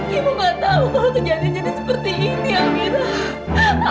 ibu gak tahu kalau kejadian kejadian seperti ini amira